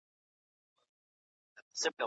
ساقي د میو ډک جامونه په نوبت وېشله